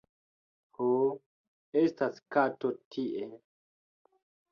Ho, estas kato tie...